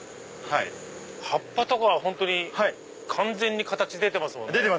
葉っぱとかは本当に完全に形出てますもんね。